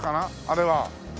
あれは。